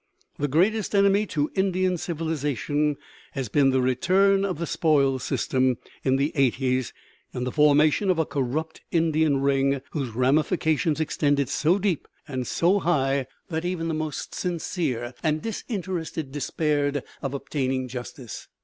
The greatest enemy to Indian civilization has been the return of the "spoils system" in the eighties, and the formation of a corrupt "Indian ring" whose ramifications extended so deep and so high that even the most sincere and disinterested despaired of obtaining justice.